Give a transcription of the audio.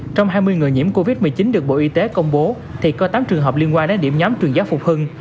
trong hai mươi người nhiễm covid một mươi chín được bộ y tế công bố thì có tám trường hợp liên quan đến điểm nhóm chuyển giá phục hưng